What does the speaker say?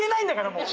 もう。